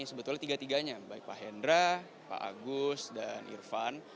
sebetulnya tiga tiganya baik pak hendra pak agus dan irfan